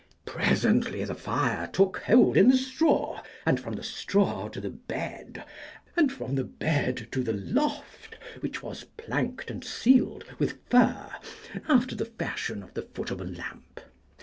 Presently the fire took hold in the straw, and from the straw to the bed, and from the bed to the loft, which was planked and ceiled with fir, after the fashion of the foot of a lamp.